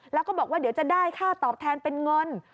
แล้วก็บอกว่าเดี๋ยวจะได้ค่าตอบแทนเป็นเงิน